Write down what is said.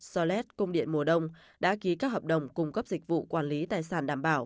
solet công điện mùa đông đã ký các hợp đồng cung cấp dịch vụ quản lý tài sản đảm bảo